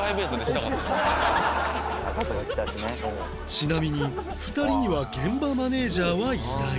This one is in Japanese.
ちなみに２人には現場マネジャーはいない